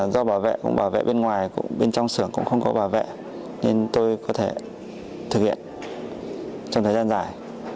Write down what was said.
do bảo vệ bên ngoài bên trong xưởng cũng không có bảo vệ nên tôi có thể thực hiện trong thời gian dài